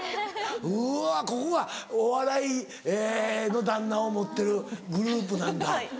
うわここがお笑いの旦那を持ってるグループなんだ。